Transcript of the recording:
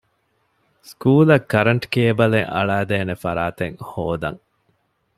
ސްކޫލަށް ކަރަންޓް ކޭބަލެއް އަޅައިދޭނެ ފަރާތެއް ހޯދަން